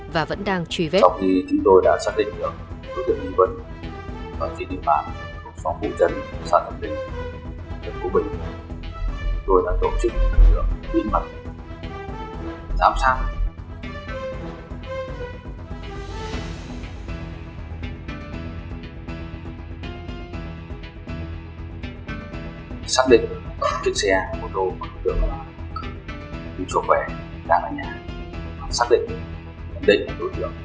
và vẫn đang truy vết